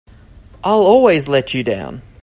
I'll always let you down!